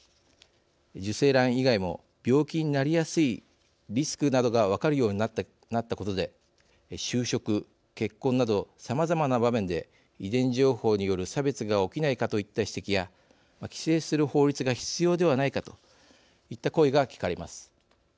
受精卵以外も病気になりやすいリスクなどが分かるようになったことで就職、結婚などさまざまな場面で遺伝情報による差別が起きないかといった指摘や規制する法律が必要ではないかといった声が聞かれます。